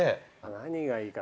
何がいいか。